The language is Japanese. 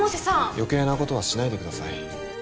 余計なことはしないでください